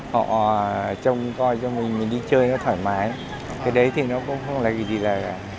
họ trông coi cho mình mình đi chơi nó thoải mái cái đấy thì nó cũng không là gì là